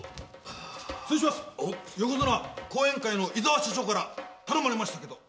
横綱後援会のイザワ社長から頼まれましたけど。